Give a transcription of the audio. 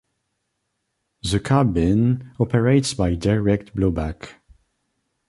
The carbine operates by direct blowback.